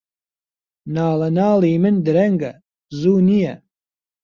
ناڵەناڵی من درەنگە، زوو نییە